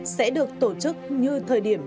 sẽ được tổ chức như thời điểm